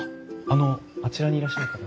あちらにいらっしゃる方。